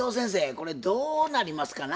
これどうなりますかな？